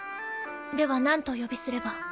では何とお呼びすれば？